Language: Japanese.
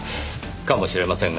かもしれません